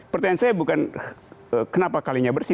pertanyaan saya bukan kenapa kalinya bersih